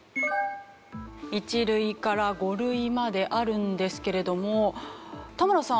１類から５類まであるんですけれども田村さん